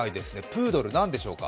プードル、何でしょうか？